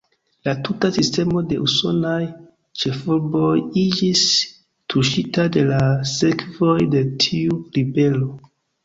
La tuta sistemo de usonaj ĉefurboj iĝis tuŝita de la sekvoj de tiu ribelo.